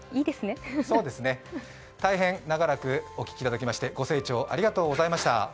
大変長らくお聴きいただきましてご清聴ありがとうございました。